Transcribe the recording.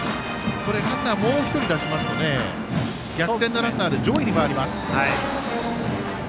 これ、ランナーもう１人出しますとね逆転のランナーで上位に回ります。